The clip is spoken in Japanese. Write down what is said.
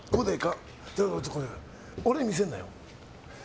俺に見せるなよ。